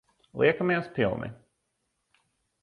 Liekamies pilni.